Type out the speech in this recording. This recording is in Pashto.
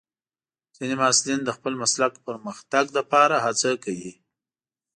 ځینې محصلین د خپل مسلک پرمختګ لپاره هڅه کوي.